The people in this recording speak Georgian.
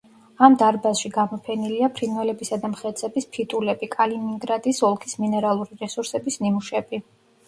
ამ დარბაზში გამოფენილია ფრინველებისა და მხეცების ფიტულები, კალინინგრადის ოლქის მინერალური რესურსების ნიმუშები.